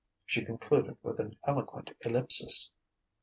She concluded with an eloquent ellipsis.